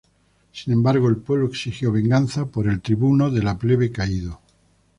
Sin embargo, el pueblo exigió venganza por el tribuno de la plebe caído.